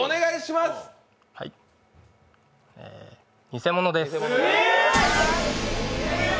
え偽物です。